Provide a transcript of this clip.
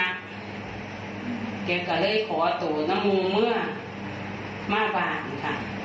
เจ๊แดงก็เลยขอตัวน้ำมูลเมื่อมาบ้านค่ะ